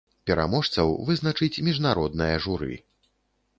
Пераможцаў вызначыць міжнароднае журы.